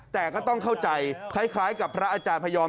แต่ก็ต้องเข้าใจคล้ายกับพระอาจารย์พยอม